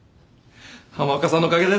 浜岡さんのおかげです。